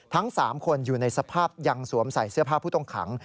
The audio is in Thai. ทั้ง๓คนอยู่ในสภาพยังสวมใส่เสื้อผ้าผู้ต้องขัง